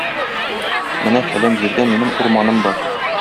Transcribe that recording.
Менә фәлән җирдә минем урманым бар.